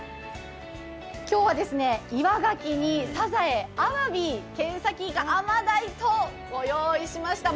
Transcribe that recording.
今日は、イワガキにサザエ、アワビ、ケンサキイカ、雨貝とご用意いたしました。